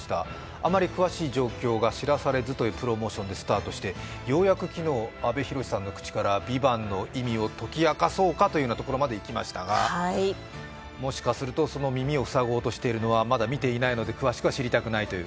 あまり詳しい状況が知らされずというプロモーションでスタートしてようやく昨日阿部寛さんの口からＶＩＶＡＮＴの意味を解き明かそうかということがありましたが、もしかすると、その耳を塞ごうとしているのはまだ見ていないので詳しくは知りたくないという？